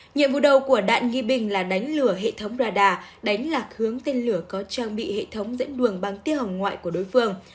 nhiệm vụ đầu của đạn nghi binh là đánh lừa hệ thống radar đánh lạc hướng tên lửa có trang bị hệ thống dẫn đường băng tiêu hồng ngoại của đối phương